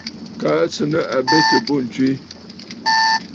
Kaa à sɨ̀ nɨ̂ àbetə̀ bû ǹtswe.